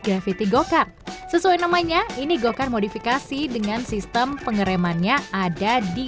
gravity go kart sesuai namanya ini go kart modifikasi dengan sistem pengeremannya ada di